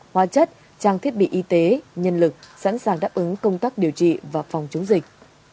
hóa chất trang thiết bị y tế nhân lực sẵn sàng đáp ứng công tác điều trị và phòng chống dịch